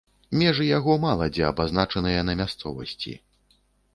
Межы яго мала дзе абазначаныя на мясцовасці.